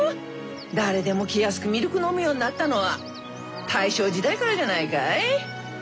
誰でも気安くミルク飲むようになったのは大正時代からじゃないかい。